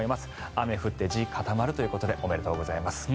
雨降って地固まるということでおめでとうございます。